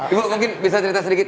ibu mungkin bisa cerita sedikit